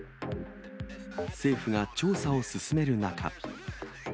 政府が調査を進める中。